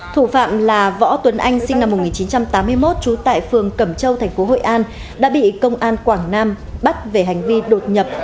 thủ phạm là võ tuấn anh sinh năm một nghìn chín trăm tám mươi một trú tại phường cẩm châu thành phố hội an đã bị công an quảng nam bắt về hành vi đột nhập